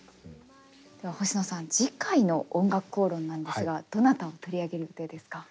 では星野さん次回の「おんがくこうろん」なんですがどなたを取り上げる予定ですか？